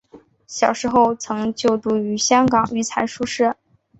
小时候曾就读于香港育才书社。